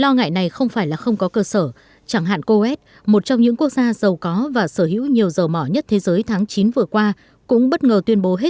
lo ngại này không phải là không có cơ sở chẳng hạn coet một trong những quốc gia giàu có và sở hữu nhiều dầu mỏ nhất thế giới tháng chín vừa qua cũng bất ngờ tuyên bố hết